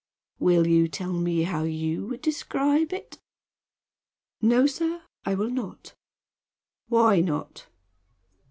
"Will you tell me how you would describe it?" "No, sir. I will not." "Why not?"